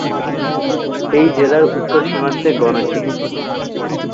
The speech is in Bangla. এই জেলার উত্তর সীমান্তে গণচীন।